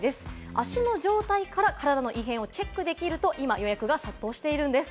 足の状態から体の異変をチェックできると今、予約が殺到しているんです。